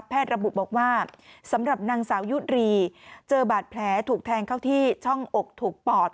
ระบุบอกว่าสำหรับนางสาวยุรีเจอบาดแผลถูกแทงเข้าที่ช่องอกถูกปอด